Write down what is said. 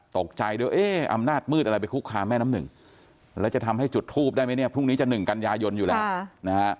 ตกใจด้วยเอ๊ะอำนาจมืดอะไรไปคุกคามแม่น้ำหนึ่งแล้วจะทำให้จุดทูปได้ไหมเนี่ยพรุ่งนี้จะ๑กันยายนอยู่แล้วนะฮะ